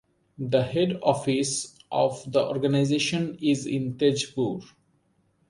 The head office of the organisation is in Tezpur.